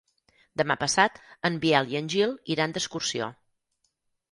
Demà passat en Biel i en Gil iran d'excursió.